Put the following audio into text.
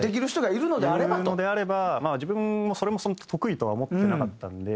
いるのであれば自分もそれも得意とは思ってなかったんで。